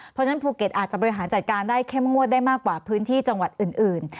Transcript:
เพราะฉะนั้นภูเก็ตอาจจะบริหารจัดการได้เข้มงวดได้มากกว่าพื้นที่จังหวัดอื่น